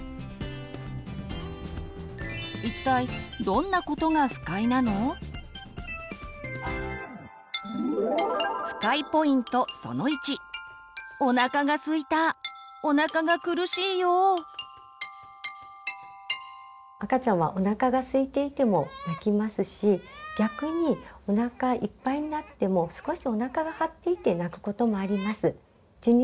一体赤ちゃんはおなかがすいていても泣きますし逆におなかいっぱいになっても少しおなかが張っていて泣くこともあります。